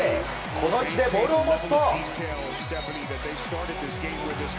この位置でボールを持つと。